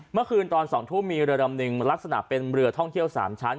เมื่อคืนตอน๒ทุ่มมีเรือลำนึงลักษณะเป็นเรือท่องเที่ยว๓ชั้น